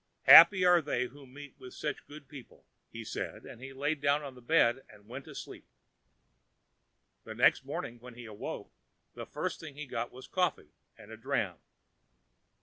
Happy are they who meet with such good people," said he; and he lay down on the bed and went asleep. And next morning, when he woke, the first thing he got was coffee and a dram.